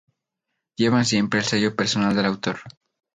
Llevan siempre el sello personal del autor".